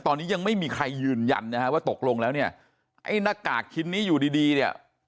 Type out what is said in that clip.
ตอนนี้ยังไม่มีใครยืนยันนะฮะว่าตกลงแล้วเนี่ยไอ้หน้ากากชิ้นนี้อยู่ดีดีเนี่ย